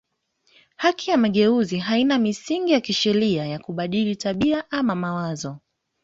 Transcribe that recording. Haki ya mageuzi haina misingi ya kisheria ya kubadili tabia ama mawazo